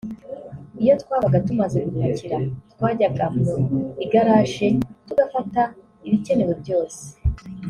Iyo twabaga tumaze gupakira twajyaga mu igarage tugafata ibikenenewe byose